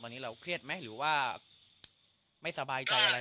ก็มีหลายส่วนครับที่เข้ามาให้กำลังใจว่า